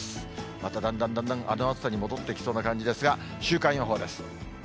また、だんだんだんだんあの暑さに戻ってきそうな感じですが、週間予報です。